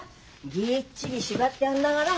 ぎっちり縛ってあんだがら。